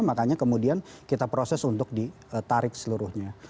makanya kemudian kita proses untuk ditarik seluruhnya